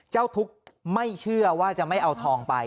เจ้าทุกข์ไม่เชื่อว่าจะไม่เอาทองไป